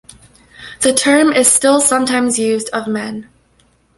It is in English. The term is still sometimes used of men.